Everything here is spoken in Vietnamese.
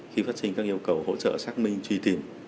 khi phát sinh các yêu cầu hỗ trợ xác minh truy tìm